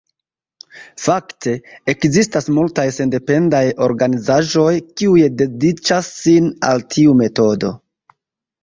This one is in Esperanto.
Fakte, ekzistas multaj sendependaj organizaĵoj, kiuj dediĉas sin al tiu metodo.